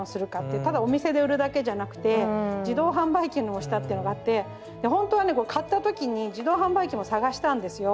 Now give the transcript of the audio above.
ただお店で売るだけじゃなくて自動販売機のを推したっていうのがあってでほんとはねこれ買った時に自動販売機も探したんですよ